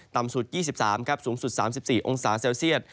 ต่ำสุด๒๓ครับสูงสุด๓๔องศาเซลเซียต